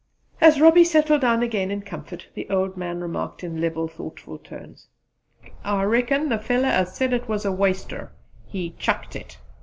As Robbie settled down again in comfort, the old man remarked in level thoughtful tones: "I reckon the feller as said that was a waster, he chucked it!"